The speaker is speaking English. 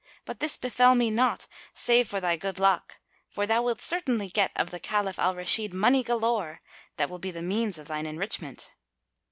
But this befel me not save for thy good luck, for thou wilt certainly get of the Caliph Al Rashid money galore, that will be the means of thine enrichment."